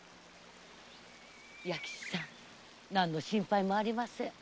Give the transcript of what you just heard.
弥吉さん何の心配もありません。